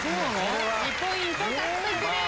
２ポイント獲得です。